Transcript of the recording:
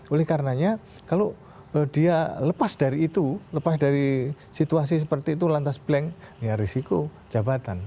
oleh karenanya kalau dia lepas dari situasi seperti itu lantas blank ya risiko jabatan